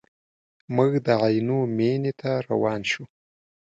موږ د عینو مینې ته روان شوو.